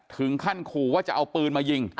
ถึงขั้นขู่ว่าจะเอาปืนมายิง